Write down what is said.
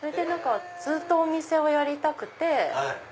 ずっとお店をやりたくて。